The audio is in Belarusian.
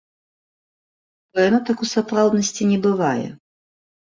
Бо яно так у сапраўднасці не бывае.